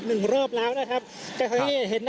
คุณภูริพัฒน์บุญนิน